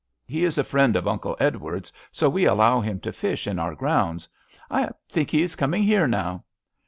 He is a friend of Uncle Edward's, so we allow him to fish in our grounds. I think he is coming here now."